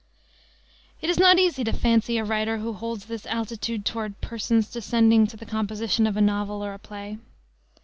It is not easy to fancy a writer who holds this altitude toward "persons" descending to the composition of a novel or a play.